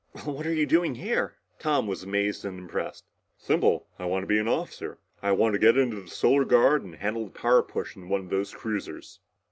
"Well, what are you doing here?" Tom was amazed and impressed. "Simple. I want to be an officer. I want to get into the Solar Guard and handle the power push in one of those cruisers."